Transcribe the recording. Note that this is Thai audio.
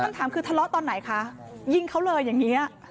คำถามคือทะเลาะตอนไหนคะยิงเขาเลยอย่างนี้